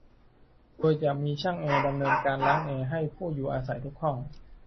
โดยจะมีช่างแอร์ดำเนินการล้างแอร์ให้ผู้อยู่อาศัยทุกห้อง